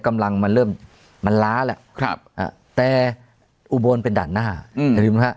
กำลังมันเริ่มมันล้าแล้วแต่อุบลเป็นด่านหน้าอย่าลืมฮะ